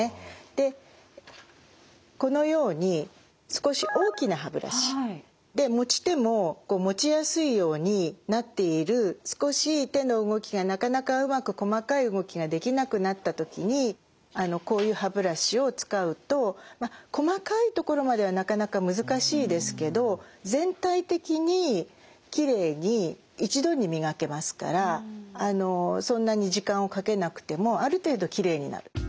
でこのように少し大きな歯ブラシで持ち手も持ちやすいようになっている少し手の動きがなかなかうまく細かい動きができなくなった時にこういう歯ブラシを使うとまあ細かい所まではなかなか難しいですけど全体的にきれいに一度に磨けますからそんなに時間をかけなくてもある程度きれいになる。